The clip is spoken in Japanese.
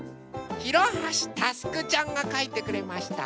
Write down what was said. ひろはしたすくちゃんがかいてくれました。